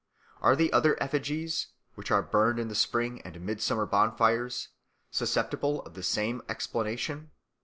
Are the other effigies, which are burned in the spring and midsummer bonfires, susceptible of the same explanation?